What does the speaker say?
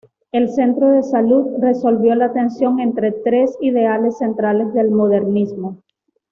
El centro de salud resolvió la tensión entre tres ideales centrales del modernismo.